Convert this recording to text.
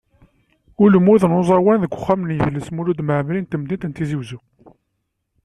Ulmud n uẓawan deg uxxam n yidles Mulud Mɛemmri n temdint n Tizi Uzzu.